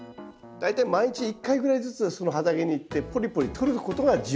大体毎日１回ぐらいずつその畑に行ってポリポリ取ることが重要だと思います。